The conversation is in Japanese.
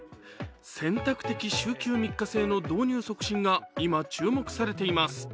選択的週休３日制の導入促進が今、注目されています。